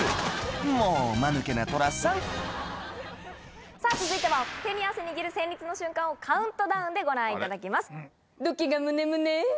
もうマヌケなトラさんさぁ続いては手に汗握る戦慄の瞬間をカウントダウンでご覧いただきます。